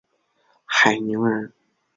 海宁人。